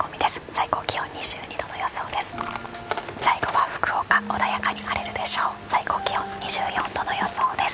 最高気温は２２度の予想です。